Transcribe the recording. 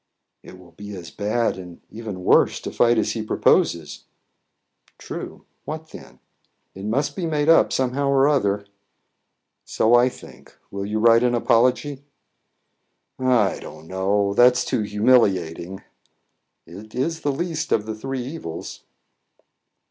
"It will be as bad, and even worse, to fight as he proposes." "True. What then?" "It must be made up somehow or other." "So I think. Will you write an apology?" "I don't know; that's too humiliating." "It's the least of the three evils."